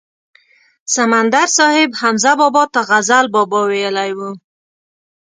سمندر صاحب حمزه بابا ته غزل بابا ویلی و.